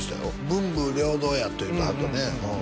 文武両道やって言うてはったね